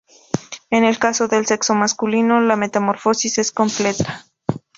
En el caso del sexo masculino, la metamorfosis es completa.